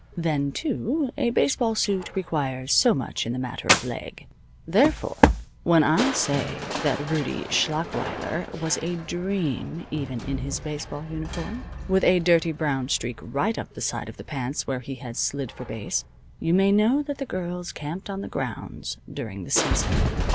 Then too, a baseball suit requires so much in the matter of leg. Therefore, when I say that Rudie Schlachweiler was a dream even in his baseball uniform, with a dirty brown streak right up the side of his pants where he had slid for base, you may know that the girls camped on the grounds during the season.